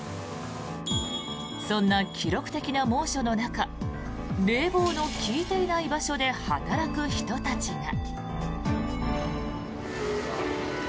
そんな記録的な猛暑の中冷房の利いていない場所で働く人たちが。